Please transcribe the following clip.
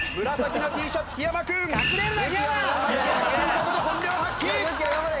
ここで本領発揮！